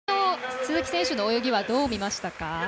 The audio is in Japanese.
鈴木選手の泳ぎはどう見ましたか？